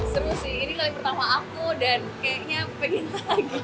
seru sih ini kali pertama aku dan kayaknya pengen lagu